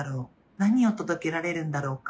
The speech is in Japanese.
何を届けられるんだろうか？